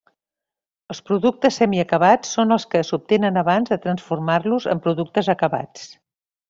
Els productes semiacabats són els que s'obtenen abans de transformar-los en productes acabats.